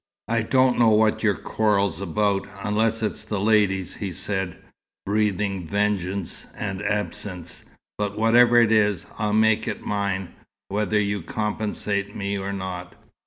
"I don't know what your quarrel's about, unless it's the ladies," he said, breathing vengeance and absinthe, "but whatever it is, I'll make it mine, whether you compensate me or not.